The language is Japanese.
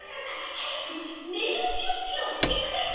はやくねるじゅんびをしてください。